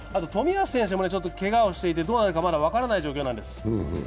冨安選手もけがをしていてまだどうなるか分からない状況なんです。